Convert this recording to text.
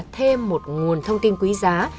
thêm một nguồn thông tin quý giá